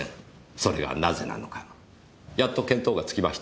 それがなぜなのかやっと見当がつきました。